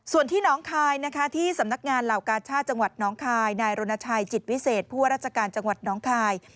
ส่วนที่น้องคายนะคะที่สำนักงานเหล่ากาชาติจังหวัดน้องคายนายรณชัยจิตวิเศษผู้ว่าราชการจังหวัดน้องคาย